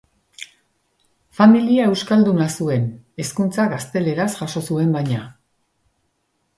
Familia euskalduna zuen, hezkuntza gazteleraz jaso zuen baina.